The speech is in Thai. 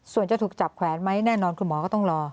ส่วนจะถูกจับแขวนไหมแน่นอนคุณหมอก็ต้องรอ